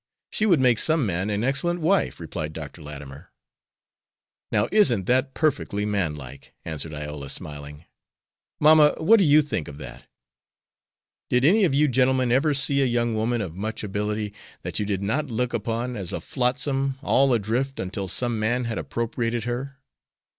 She would make some man an excellent wife," replied Dr. Latimer. "Now isn't that perfectly manlike," answered Iola, smiling. "Mamma, what do you think of that? Did any of you gentlemen ever see a young woman of much ability that you did not look upon as a flotsam all adrift until some man had appropriated her?"